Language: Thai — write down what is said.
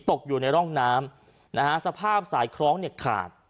ที่ตกอยู่ในร่องน้ำสภาพสายคล้องขาด